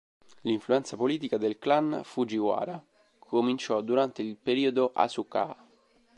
L'influenza politica del clan Fujiwara cominciò durante il periodo Asuka.